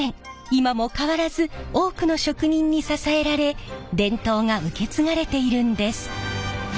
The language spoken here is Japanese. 今も変わらず多くの職人に支えられ伝統が受け継がれているんです。